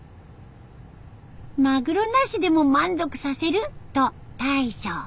「マグロなしでも満足させる」と大将。